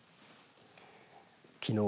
きのう